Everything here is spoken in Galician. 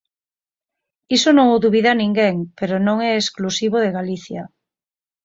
Iso non o dubida ninguén, pero non é exclusivo de Galicia.